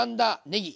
ねぎ